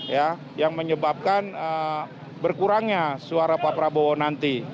ya yang menyebabkan berkurangnya suara pak prabowo nanti